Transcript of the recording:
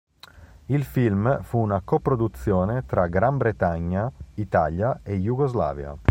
Il film fu una coproduzione tra Gran Bretagna, Italia e Jugoslavia.